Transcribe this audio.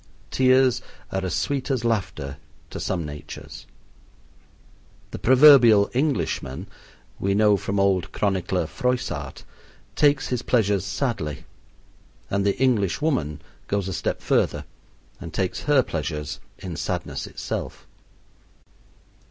Tears are as sweet as laughter to some natures. The proverbial Englishman, we know from old chronicler Froissart, takes his pleasures sadly, and the Englishwoman goes a step further and takes her pleasures in sadness itself.